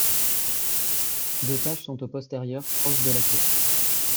Deux taches sont aux postérieures proches de la queue.